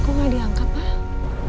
kok gak diangkat pak